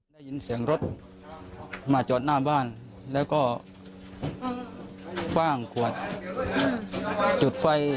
ได้ยินเสียงรถมาจอดหน้าบ้านแล้วก็คว่างขวดจุดไฟ